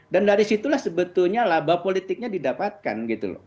dan dari situlah sebetulnya laba politiknya didapatkan gitu loh